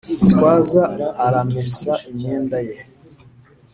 gitwaza aramesa imyenda ye